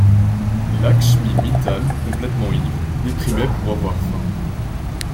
Lakshmi Mittal complètement ivre déprimait pour avoir faim.